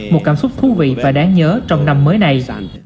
một cảm xúc thú vị và đáng nhớ trong năm mới này